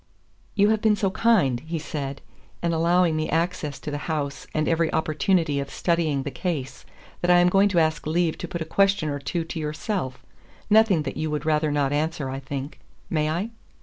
"You have been so kind," he said, "in allowing me access to the house and every opportunity of studying the case, that I am going to ask leave to put a question or two to yourself nothing that you would rather not answer, I think. May I?"